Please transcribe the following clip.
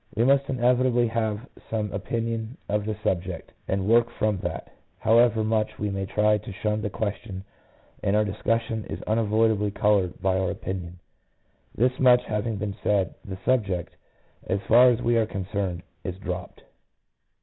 We must inevitably have some opinion on the subject, and work from that; however much we may try to shun the question, our discussion is unavoidably coloured by our opinion. This much having been said, the subject, as far as we are concerned, is dropped.